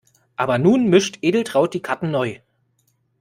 Aber nun mischt Edeltraud die Karten neu.